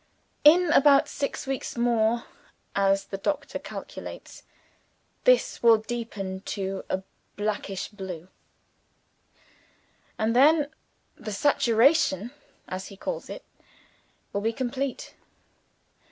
In about six weeks more, as the doctor calculates, this will deepen to a blackish blue; and then, 'the saturation' (as he calls it) will be complete.